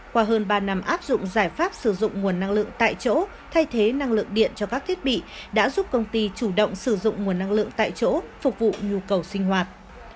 qua hơn ba năm áp dụng giải pháp sử dụng nguồn năng lượng tại chỗ thay thế năng lượng điện cho các thiết bị đã giúp công ty chủ động sử dụng nguồn năng lượng tại chỗ phục vụ nhu cầu sinh hoạt